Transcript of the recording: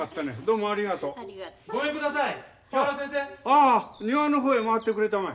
ああ庭の方へ回ってくれたまえ。